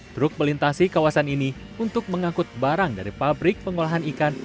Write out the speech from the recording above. truk melintasi kawasan ini untuk mengangkut barang dari pabrik pengolahan ikan